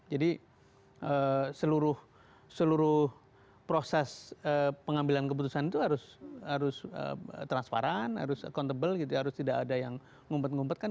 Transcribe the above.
jadi seluruh proses pengambilan keputusan itu harus transparan harus accountable harus tidak ada yang ngumpet ngumpetkan